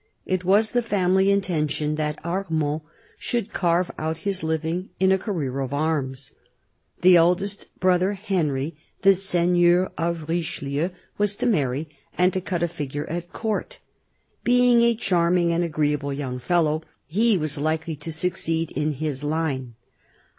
It was the family intention that Armand should carve out his living in a career of arms. The eldest brother, Henry, the seigneur of Richelieu, was to marry, and to cut a figure at Court. Being a charming and agreeable young fellow, he was likely to succeed in this line.